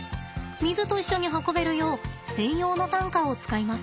水と一緒に運べるよう専用の担架を使います。